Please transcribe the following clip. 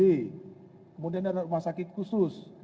kemudian ada rumah sakit khusus